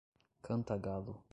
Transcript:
Cantagalo